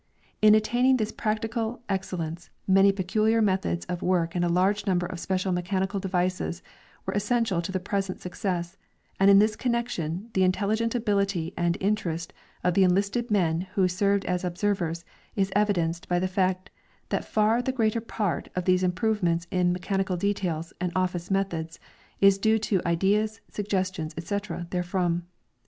In attaining this practical, excellence, many peculiar methods of work and a large number of special mechanical devices were essential to the present suc cess, and in this connection the intelligent ability and interest of the enlisted men who served as observers is evidenced by the fact that far the greater part of these improvements in mechani cal details and office methods is due to ideas, suggestions, etc, therefrom.